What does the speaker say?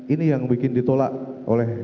ini yang bikin ditolak oleh